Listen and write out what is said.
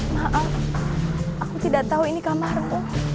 maaf aku tidak tahu ini kamarku